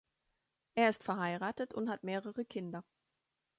Er ist verheiratet und hat mehrere Kinder.